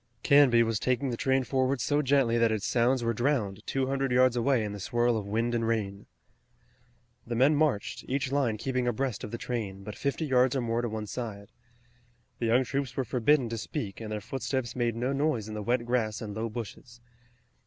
Canby was taking the train forward so gently that its sounds were drowned two hundred yards away in the swirl of wind and rain. The men marched, each line keeping abreast of the train, but fifty yards or more to one side. The young troops were forbidden to speak and their footsteps made no noise in the wet grass and low bushes.